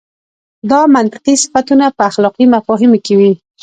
دا منطقي صفتونه په اخلاقي مفاهیمو کې وي.